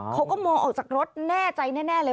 เขาก็มองออกจากรถแน่ใจแน่เลย